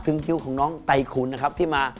คิ้วของน้องไตขุนนะครับที่มา